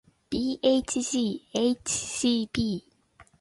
bhghcb